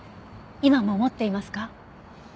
今も持っていますか？